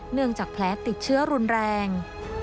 เนื่องจากแผลติดเชื้อรุนแรง